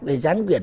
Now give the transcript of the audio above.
về gián quyển